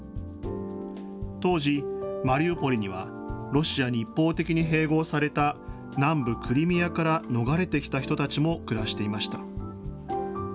当時、マリウポリにはロシアに一方的に併合された南部クリミアから逃れてきた人たちも暮らしていました。